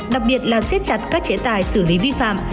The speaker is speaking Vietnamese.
đặc biệt là xếp chặt các chế tài xử lý vi phạm